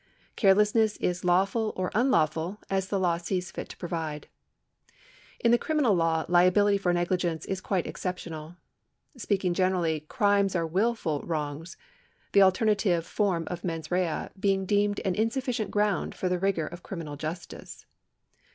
Carelessness is lawful or unlawful, as the law sees fit to provide. In the criminal law liability for negligence is quite exceptional. Speaking generally, crimes are wilful wrongs, the alternative form of 7nens rea being deemed an insufficient ground for the rigour of criminal justice.